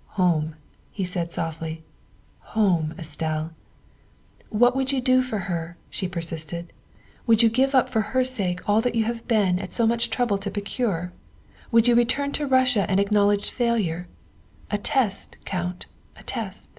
" Home," he said softly, " home, Estelle." " What would you do for her?" she persisted. " Would you give up for her sake all that you have been at so much trouble to procure ? Would you return to Russia an acknowledged failure? A test, Count, a test.